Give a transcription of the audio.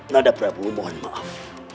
nanda prabu mohon maaf